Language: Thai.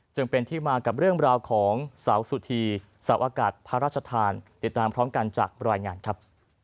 จึงเป็นที่มากับเรื่องราวของเสาสุธีเสาอากาศพระราชทานติดตามพร้อมกันจากรายงานครับ